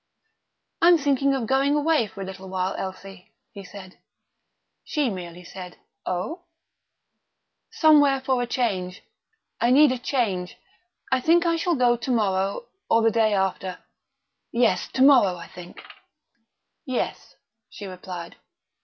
"I'm thinking of going away for a little while, Elsie," he said. She merely said, "Oh?" "Somewhere for a change. I need a change. I think I shall go to morrow, or the day after. Yes, to morrow, I think." "Yes," she replied.